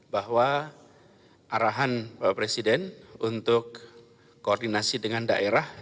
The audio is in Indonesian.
bahwa arahan bapak presiden untuk koordinasi dengan daerah